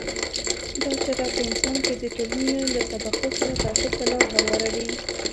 دا چاره په انسان کې د ټولنې له طبقو سره تعصب ته لار هواروي.